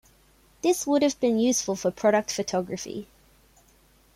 This would have been useful for Product Photography.